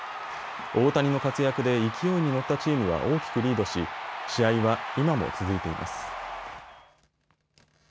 大谷の活躍で勢いに乗ったチームは大きくリードし試合は今も続いています。